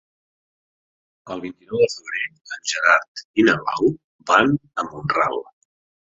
El vint-i-nou de febrer en Gerard i na Blau van a Mont-ral.